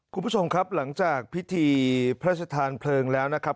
คุณผู้ชมครับหลังจากพิธีพระชธานเพลิงแล้วนะครับ